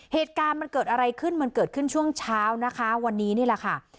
เหตุการณ์มันเกิดอะไรขึ้นมันเกิดขึ้นช่วงเช้านะคะวันนี้นี่แหละค่ะ